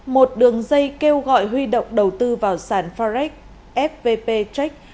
một đường dây kêu gọi huy động đầu tư vào sản forex fpp check